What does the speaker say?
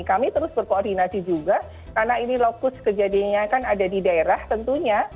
kami terus berkoordinasi juga karena ini lokus kejadiannya kan ada di daerah tentunya